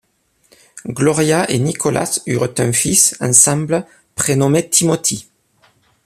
Gloria et Nicholas eurent un fils ensemble prénommé Timothy.